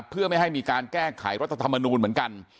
เพื่อไม่ให้มีการแก้ไขรัฐธรรมนูลเหมือนกัน